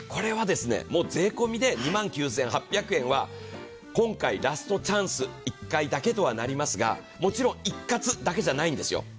税込みで２万９８００円は今回、ラストチャンス１回だけとはなりますが、もちろん一括だけじゃないんですよ。